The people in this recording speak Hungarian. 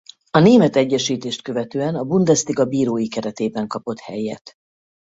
A német egyesítést követően a Bundesliga bírói keretében kapott helyet.